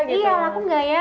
iya aku nggak ya